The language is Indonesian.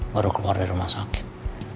baru keluar dari rumah sakit